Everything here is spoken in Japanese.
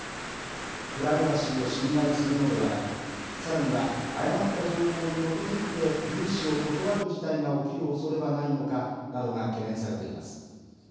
プライバシーを侵害するのではないかさらには誤った情報に基づいて融資を断る事態が起きるおそれはないのか、などが懸念されています。